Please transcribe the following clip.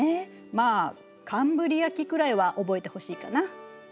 まあカンブリア紀くらいは覚えてほしいかな。